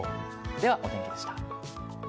ではお天気でした。